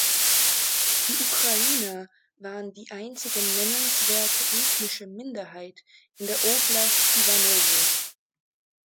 Die Ukrainer waren die einzige nennenswerte ethnische Minderheit in der Oblast Iwanowo.